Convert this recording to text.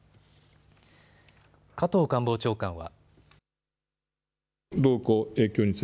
加藤官房長官は。